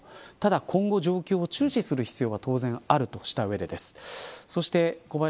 ただ、今後、状況を注視する必要は当然あるとしたうえで小林寅